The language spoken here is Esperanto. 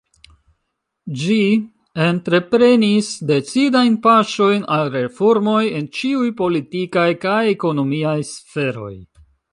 Ĝi entreprenis decidajn paŝojn al reformoj en ĉiuj politikaj kaj ekonomiaj sferoj.